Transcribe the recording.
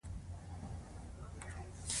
د هرات په ادرسکن کې د مالګې نښې شته.